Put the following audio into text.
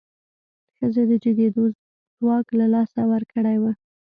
ښځې د جګېدو ځواک له لاسه ورکړی و.